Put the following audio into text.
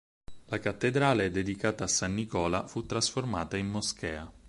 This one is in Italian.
La cattedrale, dedicata a san Nicola, fu trasformata in moschea.